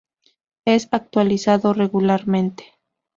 Es actualizado regularmente.